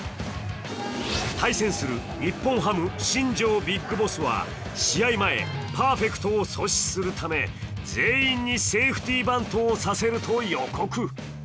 対戦する日本ハム、新庄ＢＩＧＢＯＳＳはパーフェクトを阻止するため、全員にセーフティバントをさせると予告。